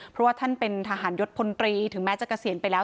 เพราะว่าท่านเป็นทหารยศพลตรีถึงแม้จะเกษียณไปแล้ว